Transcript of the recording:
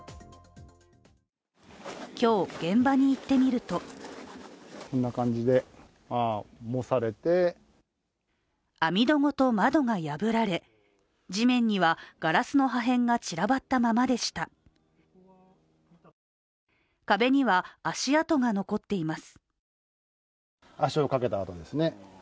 今日、現場に行ってみると網戸ごと窓が破られ地面にはガラスの破片が散らばったままでした壁には足跡が残っています。